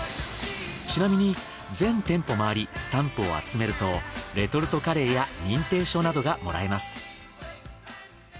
ちなみに全店舗まわりスタンプを集めるとレトルトカレーや認定証などがもらえます。